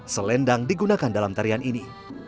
selendang digunakan dalam tarian ini